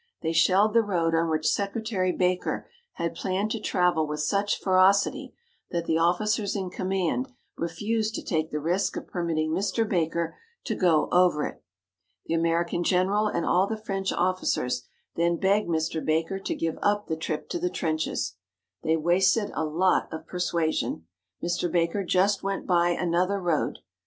They shelled the road on which Secretary Baker had planned to travel with such ferocity that the officers in command refused to take the risk of permitting Mr. Baker to go over it. The American general and all the French officers then begged Mr. Baker to give up the trip to the trenches. They wasted a lot of persuasion. Mr. Baker just went by another road.